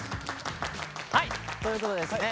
はいということでですね